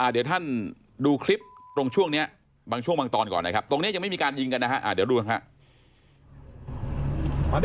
เดี๋ยวท่านดูคลิปตรงช่วงนี้บางช่วงบางตอนก่อนนะครับตรงนี้ยังไม่มีการยิงกันนะฮะเดี๋ยวดูนะครับ